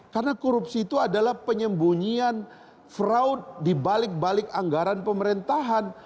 karena korupsi itu adalah penyembunyian fraud di balik balik anggaran pemerintahan